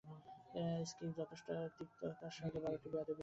Skip যথেষ্ট তিক্ততার সঙ্গে বালকটির বেয়াদবি সম্পর্কে আমার কাছে অভিযোগ করেছিল।